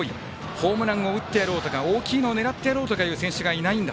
ホームランを打ってやろうとか大きいのを狙ってやろうという選手がいないんだ。